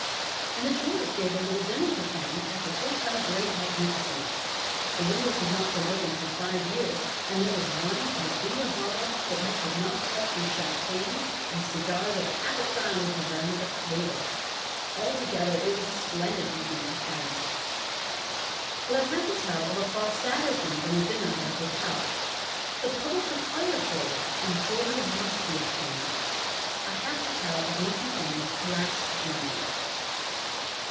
And the jewellers gave a little dinner to Thang at the Hotel Great Magnificent; the windows had not been opened for five years and there was wine at a guinea a bottle that you could not tell from champagne and cigars at half a crown with a Havana label. Altogether it was a splendid evening for Thang. But I have to tell of a far sadder thing than a dinner at a hotel. The public require jewelry and jewelry must be obtained. I have to tell of Neepy Thang's last journey.